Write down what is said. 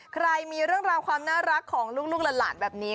ใครมีเรื่องราวความน่ารักของลูกหลานแบบนี้